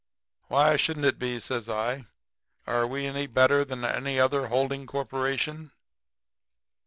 "'Why shouldn't it be?' says I. 'Are we any better than any other Holding Corporation?'"